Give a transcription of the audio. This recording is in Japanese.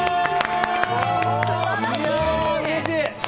うれしい！